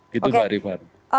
gitu mbak rifat